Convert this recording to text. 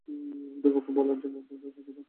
আমাদের পক্ষে বলার জন্য একজন সাক্ষী দরকার।